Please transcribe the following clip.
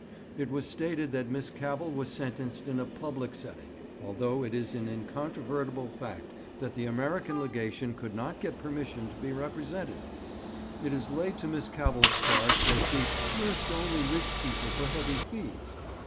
It was stated that Miss Cavell was sentenced in a public sitting, although it is an incontrovertible fact that the American Legation could not get permission to be represented. It is laid to Miss Cavell's charge that she 'nursed only rich people for heavy fees.'